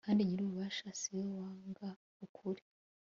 kandi nyir'ububasha si we wanga ukuri